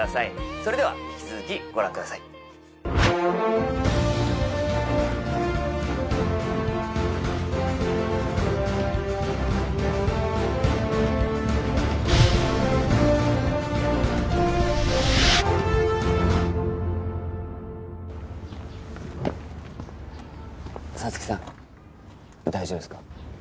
それでは引き続きご覧ください沙月さん大丈夫ですか？